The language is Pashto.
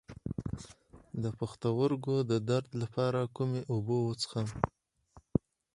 د پښتورګو د درد لپاره کومې اوبه وڅښم؟